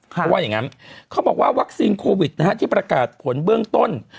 เพราะว่าอย่างนั้นเขาบอกว่าวัคซีนโควิดนะฮะที่ประกาศผลเบื้องต้น